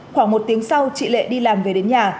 khoảng một tiếng sau chị lệ đi làm về đến nhà